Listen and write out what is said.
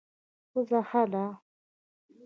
پزه ښه ده.